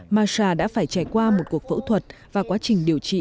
masa đã phải trải qua một cuộc phẫu thuật và quá trình điều trị